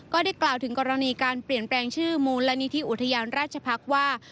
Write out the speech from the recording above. ก็ได้กล่าวถึงกรณีการเปลี่ยนแปลงชื่อมูลนิธิอุทยานราชพักษ์ว่า